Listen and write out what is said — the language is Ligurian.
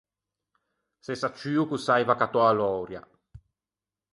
S’é sacciuo ch’o s’aiva accattou a laurea.